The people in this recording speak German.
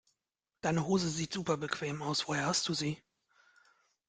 Deine Hose sieht super bequem aus, woher hast du sie?